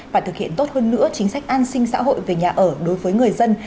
và thực hiện tốt hơn nữa chính sách an sinh xã hội về nhà ở đối với người dân